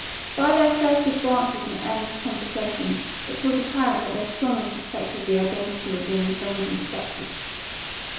By their furtive glances and earnest conversation it was apparent that they strongly suspected the identity of the avenging specters.